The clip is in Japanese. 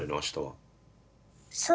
そう。